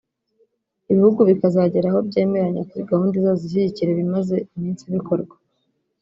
ibihugu bikazagera aho byemeranya kuri gahunda izaza ishyigikira ibimaze iminsi bikorwa